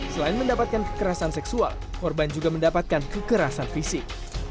selain mendapatkan kekerasan seksual korban juga mendapatkan kekerasan fisik